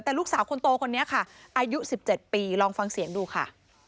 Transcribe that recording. แต่ลูกสาวคนโตคนนี้ค่ะอายุ๑๗ปีลองฟังเสียงดูค่ะ